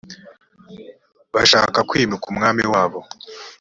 bashaka kwimika umwami wabo